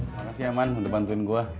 makasih ya man untuk bantuin gua